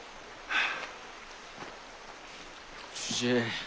ああ。